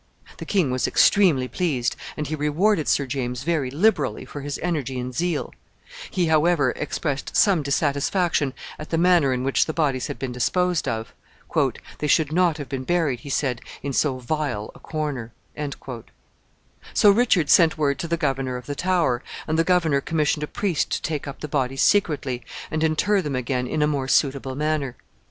The king was extremely pleased, and he rewarded Sir James very liberally for his energy and zeal; he, however, expressed some dissatisfaction at the manner in which the bodies had been disposed of. "They should not have been buried," he said, "in so vile a corner." So Richard sent word to the governor of the Tower, and the governor commissioned a priest to take up the bodies secretly, and inter them again in a more suitable manner.